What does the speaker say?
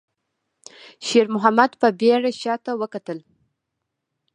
شېرمحمد په بيړه شاته وکتل.